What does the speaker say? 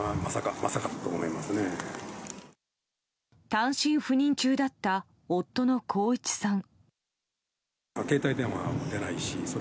単身赴任中だった夫の幸一さん。